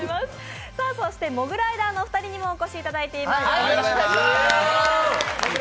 モグライダーのお二人にもお越しいただいています。